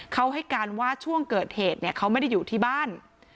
เขาให้การว่าช่วงเกิดเหตุเขาไม่ได้อยู่ที่บ้าน